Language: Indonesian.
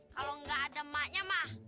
kalau nggak ada emaknya mah